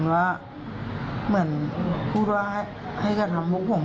แล้วเค้าก็แล้วพูดว่าให้พวกเขาทำเต็ม